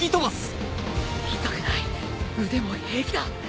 痛くない腕も平気だ